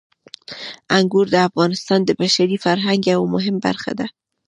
انګور د افغانستان د بشري فرهنګ یوه برخه ده.